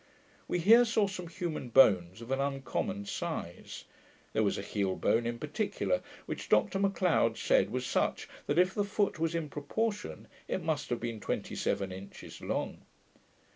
We here saw some human bones of an uncommon size. There was a heel bone, in particular, which Dr Macleod said was such, that if the foot was in proportion, it must have been twenty seven inches long.